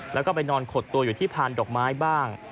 แล้วก็ไปนอนขดตัวอยู่ที่พานดอกไม้บ้าง